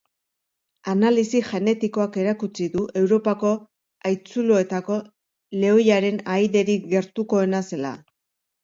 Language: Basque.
Analisi genetikoak erakutsi du Europako haitzuloetako lehoiaren ahaiderik gertukoena zela.